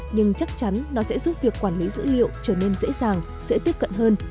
nhưng chắc chắn nó sẽ giúp việc quản lý dữ liệu trở nên dễ dàng dễ tiếp cận hơn